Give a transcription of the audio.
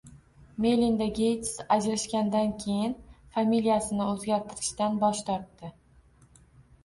Melinda Geyts ajrashgandan keyin familiyasini o‘zgartirishdan bosh tortdi